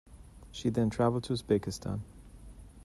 She then traveled to Uzbekistan.